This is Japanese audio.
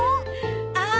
ああ。